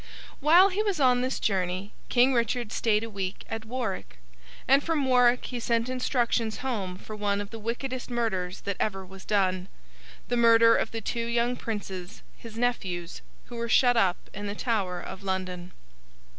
While he was on this journey, King Richard stayed a week at Warwick. And from Warwick he sent instructions home for one of the wickedest murders that ever was done—the murder of the two young princes, his nephews, who were shut up in the Tower of London.